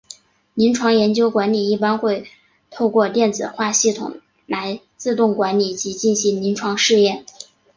临床研究管理一般会透过电子化系统来自动管理及进行临床试验。